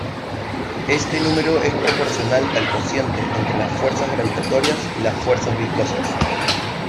Este número es proporcional al cociente entre las fuerzas gravitatorias y las fuerzas viscosas.